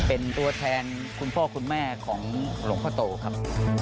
เป็นตัวแทนคุณพ่อคุณแม่ของหลวงพ่อโตครับ